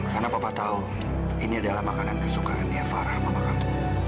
karena papa tahu ini adalah makanan kesukaan ya farah mama kamu